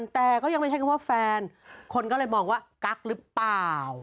แต่ก็ยังไม่ใช่คำว่าแฟนคนก็เลยมองว่ากั๊กหรือเปล่า